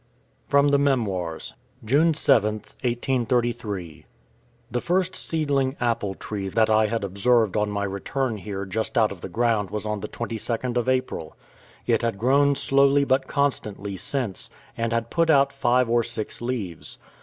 FROM THE MEMOIRS JUNE 7TH, 1833. The first seedling apple tree that I had observed on my return here just out of the ground was on the 22d of April. It had grown slowly but constantly since, and had put out five or six leaves.